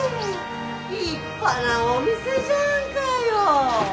立派なお店じゃんかよ！